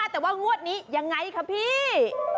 แต่ว่างวดนี้ยังไงคะพี่